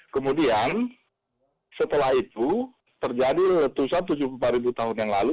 kemudian setelah itu terjadi letusan tujuh puluh empat tahun yang lalu